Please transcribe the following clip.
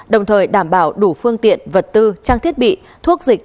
đồng thời đảm bảo đủ phương tiện vật tư trang thiết bị thuốc dịch